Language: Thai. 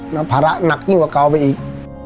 และภาระแน่งเงินนิ่วดีกว่ากันอีก